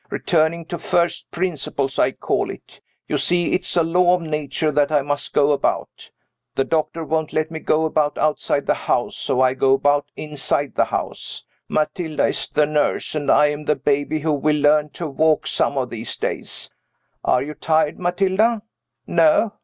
Returning to first principles, I call it. You see it's a law of my nature that I must go about. The doctor won't let me go about outside the house, so I go about inside the house. Matilda is the nurse, and I am the baby who will learn to walk some of these days. Are you tired, Matilda? No?